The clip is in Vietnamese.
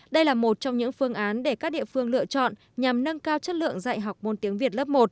đây là một trong những phương án để các địa phương lựa chọn nhằm nâng cao chất lượng dạy học môn tiếng việt lớp một